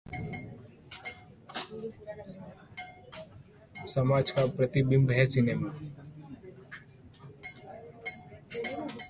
समाज का प्रतिबिंब है सिनेमा